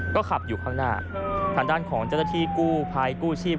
ก็ขับอยู่ข้างหน้าฐานด้านของเจ้าทะธิกู้พลายกู้ชีพ